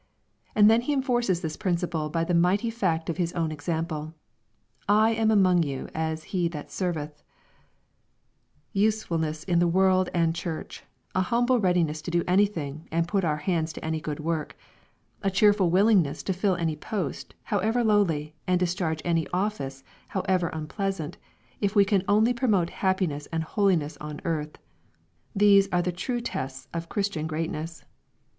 And then He enforces this principle by the mighty fact of His own example. " I am among you as he that serveth/' Usefulness in the world and Church, — a humble readi ness to do anything, and put our hands to any good work, — a cheerful willingness to fill any post, however lowly, and discharge any office, however unpleasant, if we can only promote happiness and holiness on earth, — these are the true tests of Christian greatness.